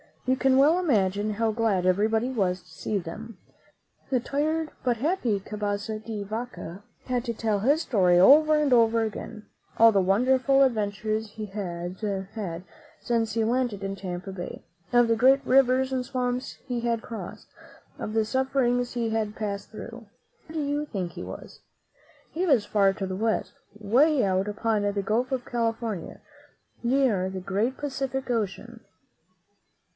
You can well imagine how glad everybody was to see them. The tired but happy Cabeza de Vaca had to tell his story over and over again — all the wonderful adventures he had had since he landed in Tampa Bay, of the great rivers and swamps he had crossed, and of the suffer ings he had passed through. And where do you think he was? He was far to the West, way out upon the Gulf of California, near the great Pacific Ocean.